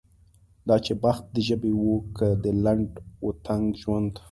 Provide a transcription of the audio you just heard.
دا چې بخت د ژبې و که د لنډ و تنګ ژوند.